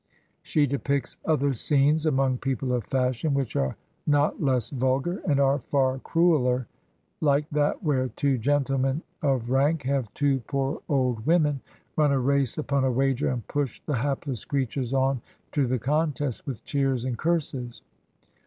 She depicts other scenes among people of fashion which are not less vulgar, and are fat crueller, like that where two gentlemen of rank have two poor old women run a race upon a wager and push the hapless creatures on to the contest with cheers and curses.